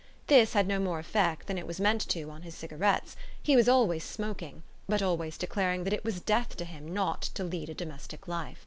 This had no more effect than it was meant to on his cigarettes: he was always smoking, but always declaring that it was death to him not to lead a domestic life.